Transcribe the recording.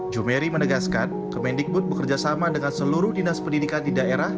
jumeri menegaskan kemendikbud bekerjasama dengan seluruh dinas pendidikan di daerah